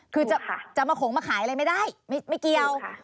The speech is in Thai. คือจะมาขงมาขายอะไรไม่ได้ไม่เกี่ยว